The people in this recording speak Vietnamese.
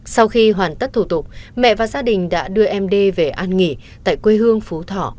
sau khi hoàn tất thủ tục mẹ và gia đình đã đưa em d về an nghỉ tại quê hương phú thọ